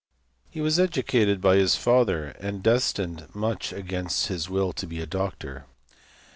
He was educated by his father, and destined much against his will to be a doctor.